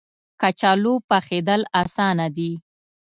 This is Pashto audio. کچالو پخېدل اسانه دي